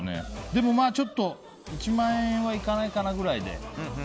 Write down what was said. でも、１万円はいかないかなくらいで。